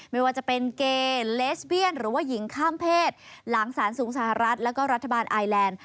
ไม่ว่าจะเป็นเกเลสเวียนหรือว่าหญิงข้ามเพศหลังสารสูงสหรัฐแล้วก็รัฐบาลไอแลนด์